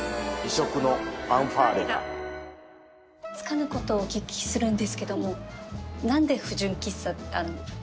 つかぬことお聞きするんですけども何で不純喫茶あの。